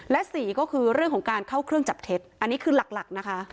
และสี่ก็คือเรื่องของการเข้าเครื่องจับเท็จอันนี้คือหลักนะคะ